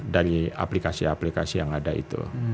dari aplikasi aplikasi yang ada itu